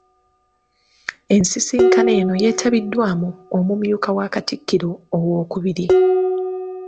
Ensisinkano eno yetabiddwamu omumyuka wa Katikkiro owookubiri.